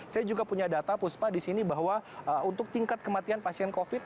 saya juga punya data puspa di sini bahwa untuk tingkat kematian pasien covid